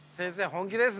本気ですね。